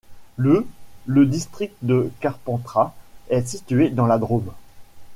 Le le district de Carpentras est situé dans la Drôme.